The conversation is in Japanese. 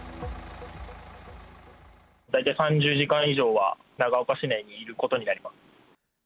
大体３０時間以上は、長岡市内にいることになります。